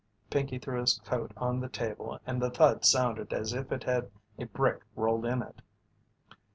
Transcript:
Pinkey threw his coat on the table and the thud sounded as if it had a brick rolled in it.